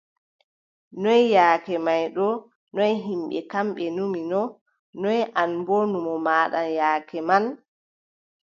Noy yaake may ɗo, noy yimɓe kam, ɓe numino, noy an boo numo maaɗan yaake man?